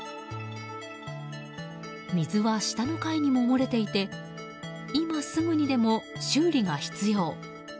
水は下の階にも漏れていて今すぐにでも修理が必要。